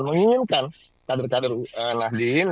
menginginkan kader kader nahddin